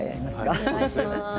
お願いします。